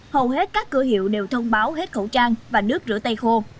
hầu hết các cửa hiệu đều thông báo hết khẩu trang và nước rửa tay khô